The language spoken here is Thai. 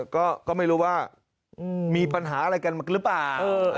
ก็ไม่รู้ว่ามีปัญหาอะไรกันหรือเปล่า